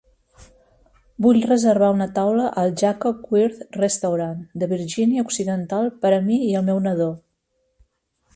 Vull reservar una taula al Jacob Wirth Restaurant de Virgínia Occidental per a mi i el meu nadó.